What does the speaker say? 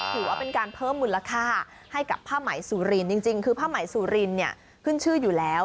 ถือว่าเป็นการเพิ่มมูลค่าให้กับผ้าไหมสุรินจริงคือผ้าไหมสุรินเนี่ยขึ้นชื่ออยู่แล้ว